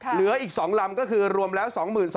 เหลืออีก๒ลำก็คือรวมแล้ว๒๔๐๐